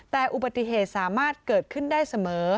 แต่อุบัติเหตุสามารถเกิดขึ้นได้เสมอ